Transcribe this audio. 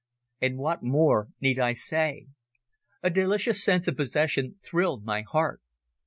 And what more need I say? A delicious sense of possession thrilled my heart.